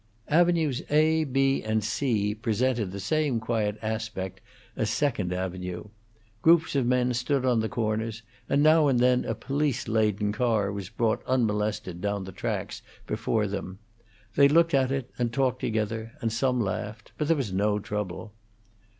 Avenues A, B, and C presented the same quiet aspect as Second Avenue; groups of men stood on the corners, and now and then a police laden car was brought unmolested down the tracks before them; they looked at it and talked together, and some laughed, but there was no trouble.